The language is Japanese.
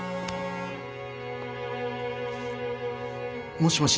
もしもし。